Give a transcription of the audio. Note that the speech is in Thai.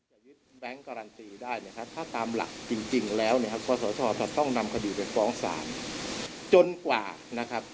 หรือจะมีคำพิพากษาของสารถึงที่สุดให้เราจ่ายนะครับ